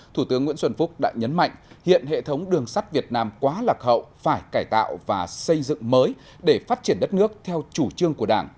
thủ tướng nguyễn xuân phúc đã nhấn mạnh hiện hệ thống đường sắt việt nam quá lạc hậu phải cải tạo và xây dựng mới để phát triển đất nước theo chủ trương của đảng